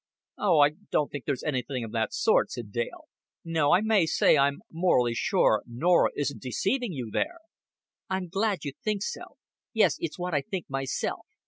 "Oh, I don't think there's anything of that sort," said Dale. "No, I may say I'm morally sure Norah isn't deceiving you there." "I'm glad you think so. Yes, it's what I think myself.